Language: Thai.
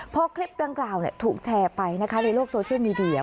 พอคลิปดังกล่าวถูกแชร์ไปนะคะในโลกโซเชียลมีเดีย